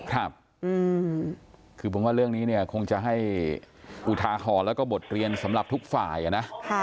ครับคือผมว่าเรื่องนี้เนี่ยคงจะให้อุทาหรณ์แล้วก็บทเรียนสำหรับทุกฝ่ายนะ